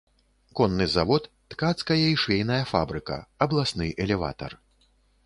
Конны завод, ткацкая і швейная фабрыка, абласны элеватар.